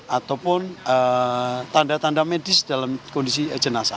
ataupun tanda tanda medis dalam kondisi jenazah